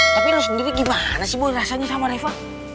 tapi lo sendiri gimana sih bu rasanya sama reva